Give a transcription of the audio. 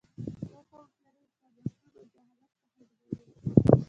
پوهه او هوښیاري انسان له ستونزو او جهالت څخه ژغوري.